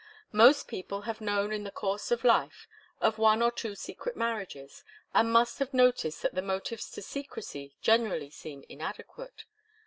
Most people have known in the course of life of one or two secret marriages and must have noticed that the motives to secrecy generally seem inadequate.